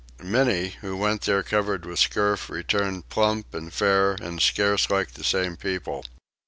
Many who went there covered with scurf returned plump and fair, and scarce like the same people.